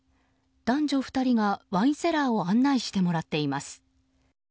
男女２人がワインセラーを案内してもらっています。